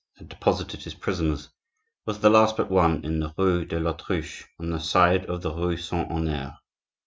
had deposited his prisoners, was the last but one in the rue de l'Autruche on the side of the rue Saint Honore.